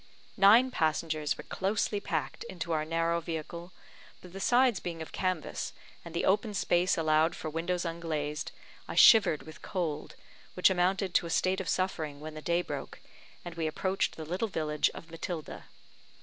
Nine passengers were closely packed into our narrow vehicle, but the sides being of canvas, and the open space allowed for windows unglazed, I shivered with cold, which amounted to a state of suffering, when the day broke, and we approached the little village of Matilda.